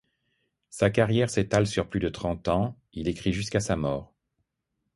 Sa carrière s'étale sur plus de trente ans, il écrit jusqu'à sa mort.